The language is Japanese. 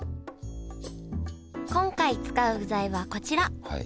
今回使う具材はこちら。